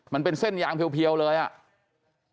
มันเป็นเส้นยางเพียวเลยอ่ะ